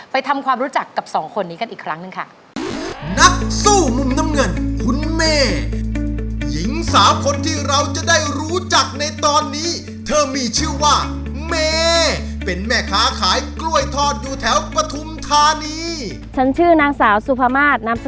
ทำความรู้จักกับสองคนนี้กันอีกครั้งหนึ่งค่ะ